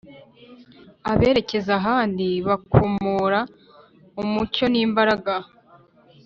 aberekeza ahandi bakomora umucyo n’imbaraga